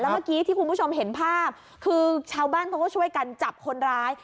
เมื่อกี้ที่คุณผู้ชมเห็นภาพคือชาวบ้านเขาก็ช่วยกันจับคนร้าย